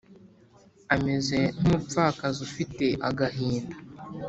ameze nk’umupfakazi ufite agahinda